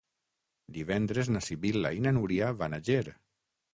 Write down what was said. Divendres na Sibil·la i na Núria van a Ger.